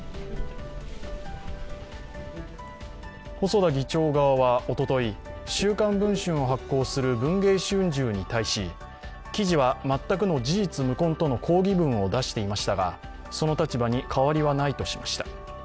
細田議長側はおととい、「週刊文春」を発行する「文藝春秋」に対し記事は全くの事実無根との抗議文を出していましたが、その立場に変わりはないとしました。